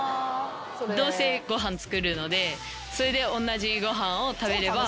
どうせご飯作るのでそれでおんなじご飯を食べれば。